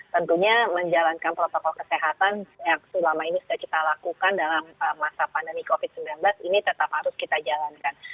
tentunya menjalankan protokol kesehatan yang selama ini sudah kita lakukan dalam masa pandemi covid sembilan belas ini tetap harus kita jalankan